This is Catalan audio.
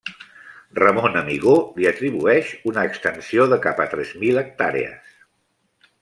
Ramon Amigó li atribueix una extensió de cap a tres mil hectàrees.